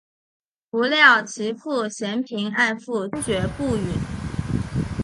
不料其父嫌贫爱富坚决不允。